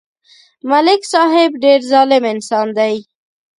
ملک صاحب ډېر ظالم انسان دی